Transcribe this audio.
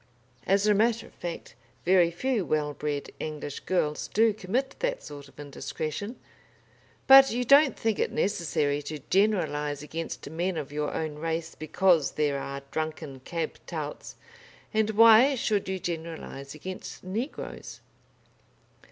As a matter of fact, very few well bred English girls do commit that sort of indiscretion. But you don't think it necessary to generalise against men of your own race because there are drunken cab touts, and why should you generalise against negroes?